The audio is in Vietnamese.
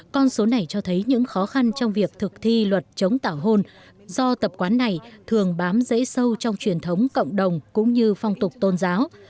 con số này cho thấy những khó khăn trong việc thực thi luật chống tảo hôn do tập quán này thường bám dễ sâu trong truyền thống cộng đồng cũng như phong tục tôn giáo